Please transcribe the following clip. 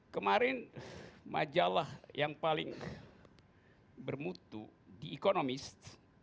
kemarin majalah yang paling bermutu di economist